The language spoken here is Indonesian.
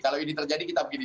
kalau ini terjadi kita begini